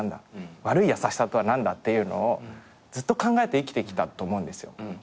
悪い優しさとは何だ？っていうのをずっと考えて生きてきたと思うんですよ。